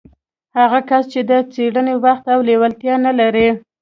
هغه کس چې د څېړنې وخت او لېوالتيا نه لري.